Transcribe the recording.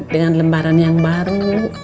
dengan lembaran yang baru